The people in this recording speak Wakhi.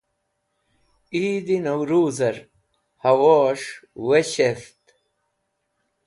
Eid e Nawruz er Howoes̃h Weshetht